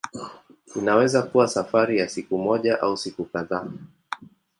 Inaweza kuwa safari ya siku moja au siku kadhaa.